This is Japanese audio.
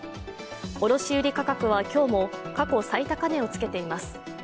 卸売価格は今日も過去最高値をつけています。